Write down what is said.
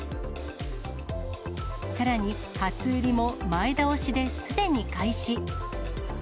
さらに初売りも前倒しですでに開始。